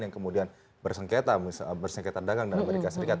yang kemudian bersengketa bersengketa dagang dengan amerika serikat